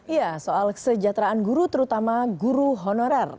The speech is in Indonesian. ya soal kesejahteraan guru terutama guru honorer